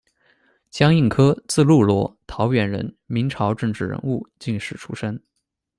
江应科，字禄萝，，桃源人，明朝政治人物、进士出身。